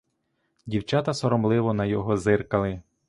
Дівчата соромливо на його зиркали.